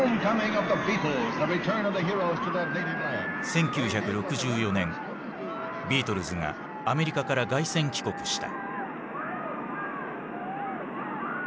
１９６４年ビートルズがアメリカから凱旋帰国した。